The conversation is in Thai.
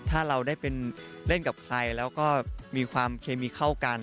ถ้าเราได้เป็นเล่นกับใครแล้วก็มีความเคมีเข้ากัน